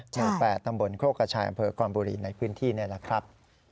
หมู่๘ตำบลโคกกระชายอำเภอคอนบุรีในพื้นที่นี่แหละครับ